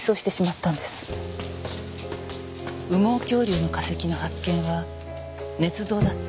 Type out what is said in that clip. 羽毛恐竜の化石の発見は捏造だった。